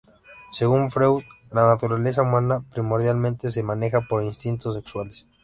Según Freud, la naturaleza humana primordialmente se maneja por instintos sexuales.